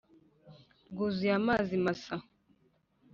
rwuzuye amazi masa